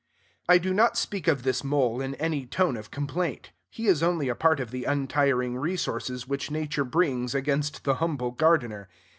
I do not speak of this mole in any tone of complaint. He is only a part of the untiring resources which Nature brings against the humble gardener.